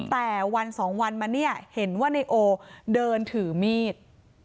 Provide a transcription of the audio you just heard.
แต่วันสองวันมาเนี่ยเห็นว่านายโอเดินถือมีด